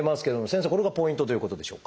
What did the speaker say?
これがポイントということでしょうか？